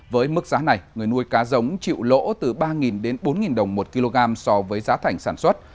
với mức giá này người nuôi cá giống chịu lỗ từ ba đến bốn đồng một kg so với giá thành sản xuất